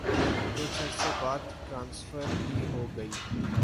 کچھ عرصے بعد ٹرانسفر بھی ہو گئی۔